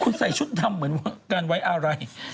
คุณใส่ชุดดำเหมือนว่าการไว้อะไร